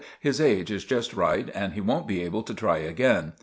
"His age is just right, and he won't be able to try again.